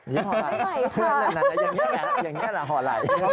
ยิ้มห่อไหล่อย่างนี้แหละห่อไหล่